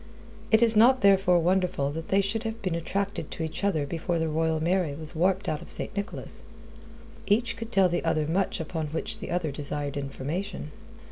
It is not therefore wonderful that they should have been attracted to each other before the Royal Mary was warped out of St. Nicholas. Each could tell the other much upon which the other desired information.